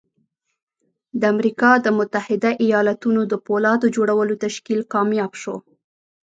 د امريکا د متحده ايالتونو د پولاد جوړولو تشکيل کامياب شو.